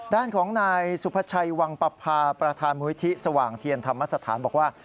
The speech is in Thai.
ด้านของนายสุภาชัยวังปภาประธานมูลิธิสว่างเทียนธรรมสถานบอกว่า